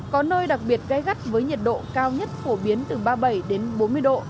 có nơi đặc biệt gai gắt với nhiệt độ cao nhất phổ biến từ ba mươi bảy đến bốn mươi độ